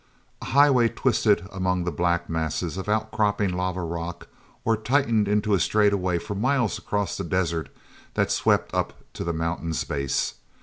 A highway twisted among black masses of outcropping lava rock or tightened into a straightaway for miles across the desert that swept up to the mountain's base.